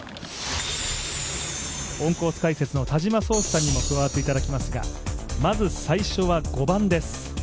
オンコース解説の田島創志さんにも加わっていただきますがまず最初は５番です。